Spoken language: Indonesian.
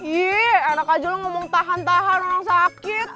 yeh enak aja lo ngomong tahan tahan orang sakit